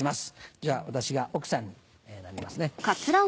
じゃあ私が奥さんになりますね。